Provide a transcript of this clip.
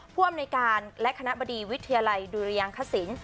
ผู้อำนวยการและคณะบดีวิทยาลัยดุรยังคศิลป